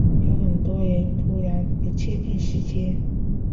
有很多人突然不确定时间